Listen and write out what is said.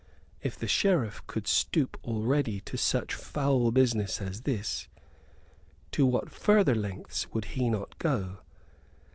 If the Sheriff could stoop already to such foul business as this, to what further lengths would he not go?